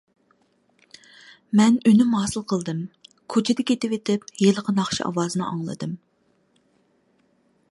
مەن ئۈنۈم ھاسىل قىلدىم. كوچىدا كېتىۋېتىپ ھېلىقى ناخشا ئاۋازىنى ئاڭلىدىم.